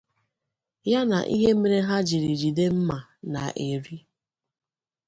ya na ihe mere ha jiri jide mmà na eiri.